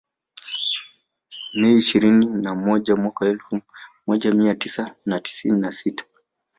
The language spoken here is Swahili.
Mei ishirini na moja mwaka elfu moja mia tisa na tisini na sita